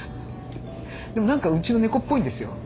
でもなんかうちの猫っぽいんですよ